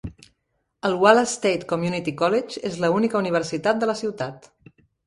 El Wallace State Community College és la única universitat de la ciutat.